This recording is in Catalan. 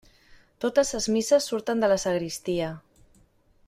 Totes ses misses surten de la sagristia.